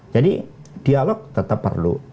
jadi dialog tetap perlu